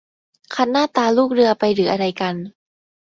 คัดหน้าตาลูกเรือไปหรืออะไรกัน